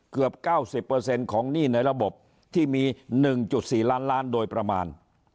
เกือบ๙๐ของหนี้ในระบบที่มี๑๔ล้านล้านโดยประมาณ